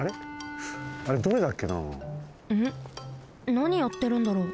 なにやってるんだろう。